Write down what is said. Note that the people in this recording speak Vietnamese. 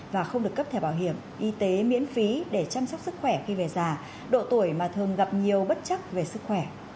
và không được cấp thẻ bảo hiểm y tế miễn phí để chăm sóc sức khỏe khi về già độ tuổi mà thường gặp nhiều bất chắc về sức khỏe